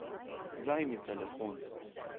Daj mi telefon.